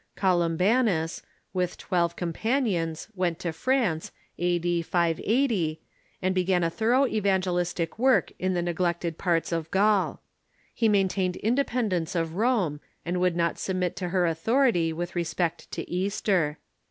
Columbanus, Avith twelve com panions, went to France, a.d. 580, and began a thorough evan gelistic work in the neglected parts of Gaul. He maintained independence of Rome, and would not submit to her authority with respect to Easter.